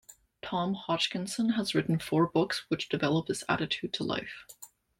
Tom Hodgkinson has written four books which develop this attitude to life.